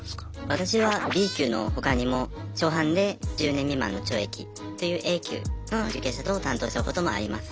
私はＢ級の他にも初犯で１０年未満の懲役というＡ級の受刑者等を担当したこともあります。